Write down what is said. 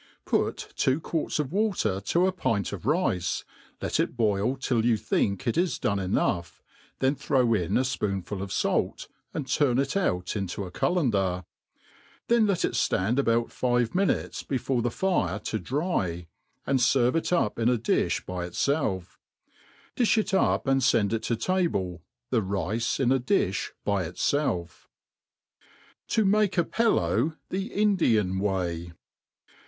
PUT two quarts'of water to a pint of rice, let it boil till. yt>u think it is done enough, then throw in a fpoonful of fait, and turn it out into a cullender; then let it ftand about five idinu^es before the fire to dry, and ferve it up in a difli by it fftff. Difli it up and fend it to table, the rice in a difli by itfelfL To maii a Pelkw the Indian Way.